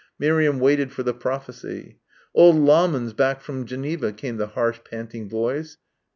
Miriam waited for the prophecy. "Old Lahmann's back from Geneva," came the harsh panting voice.